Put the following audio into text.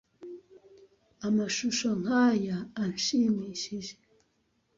Amashusho nkaya anshimishije.